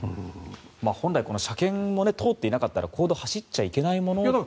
本来、この車検も通っていなかったら公道を走っちゃいけないものですよね。